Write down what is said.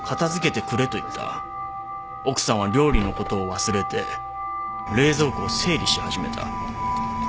奥さんは料理のことを忘れて冷蔵庫を整理し始めた。